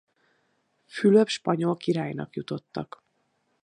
Fülöp spanyol királynak jutottak.